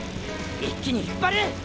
一気に引っ張る。